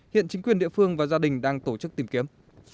hiện chính quyền địa phương và gia đình đang tổ chức tìm kiếm